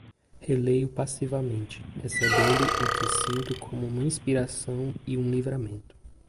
Releio passivamente, recebendo o que sinto como uma inspiração e um livramento